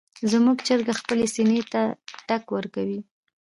زموږ چرګه خپلې سینې ته ټک ورکوي.